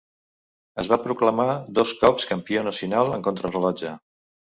Es va proclamar dos cops campió nacional en contrarellotge.